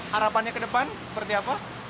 harapannya ke depan seperti apa